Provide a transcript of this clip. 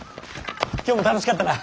今日も楽しかったな。